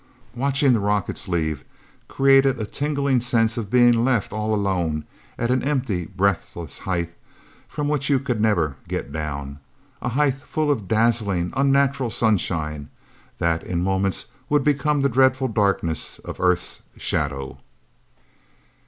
Watching the rockets leave created a tingling sense of being left all alone, at an empty, breathless height from which you could never get down a height full of dazzling, unnatural sunshine, that in moments would become the dreadful darkness of Earth's shadow.